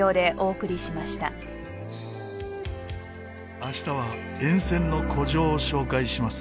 明日は沿線の古城を紹介します。